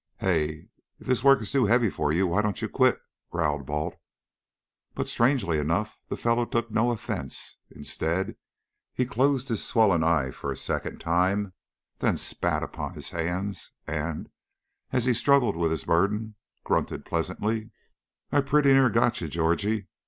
"Hey! If this work is too heavy for you, why don't you quit?" growled Balt, but strangely enough the fellow took no offence. Instead, he closed his swollen eye for a second time, then spat upon his hands, and, as he struggled with his burden, grunted pleasantly: "I pretty near got you, Georgie.